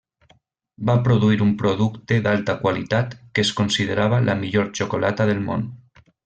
Va produir un producte d'alta qualitat que es considerava la millor xocolata del món.